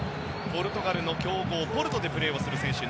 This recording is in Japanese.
ポルトガルの強豪ポルトでプレーする選手。